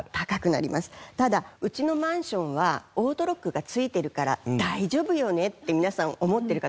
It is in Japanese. ただうちのマンションはオートロックが付いてるから大丈夫よねって皆さん思ってる方